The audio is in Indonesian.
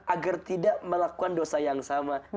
agar tidak melakukan dosa yang sama seperti itu